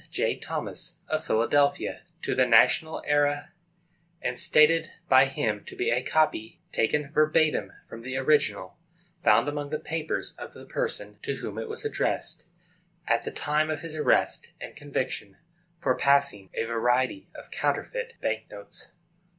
J. Thomas, of Philadelphia, to the National Era, and stated by him to be "a copy taken verbatim from the original, found among the papers of the person to whom it was addressed, at the time of his arrest and conviction, for passing a variety of counterfeit bank notes."